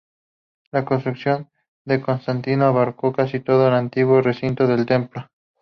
La construcción de Constantino abarcó casi todo el antiguo recinto del templo.